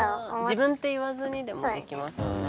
自分って言わずにでもできますもんね。